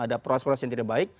ada proses proses yang tidak baik